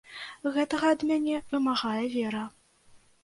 Гэтага ад мяне вымагае вера.